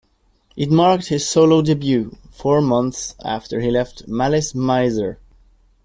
It marked his solo debut, four months after he left Malice Mizer.